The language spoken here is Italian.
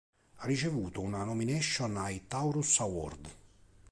Ha ricevuto una "nomination" ai "Taurus Award".